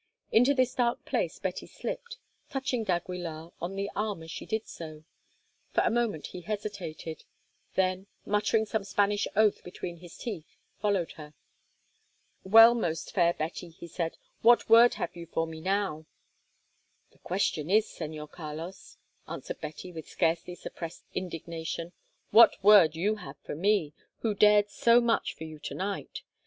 Into this dark place Betty slipped, touching d'Aguilar on the arm as she did so. For a moment he hesitated, then, muttering some Spanish oath between his teeth, followed her. "Well, most fair Betty," he said, "what word have you for me now?" "The question is, Señor Carlos," answered Betty with scarcely suppressed indignation, "what word you have for me, who dared so much for you to night?